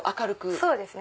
そうですね。